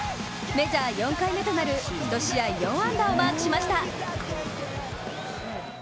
メジャー４回目となる１試合４安打をマークしました。